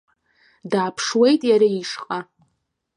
Дааԥшуеит иара ишҟа.